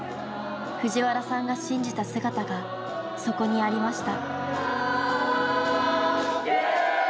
藤原さんが信じた姿がそこにありました。